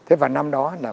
thế vào năm đó là